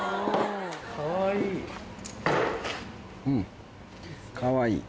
うんかわいい。